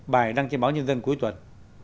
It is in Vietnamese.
bài đăng trên báo nhân dân cuối tuần